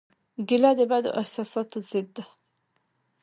کېله د بدو احساساتو ضد ده.